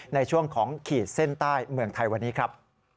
ในช่วงของขีดเส้นใต้เมืองไทยวันนี้ครับ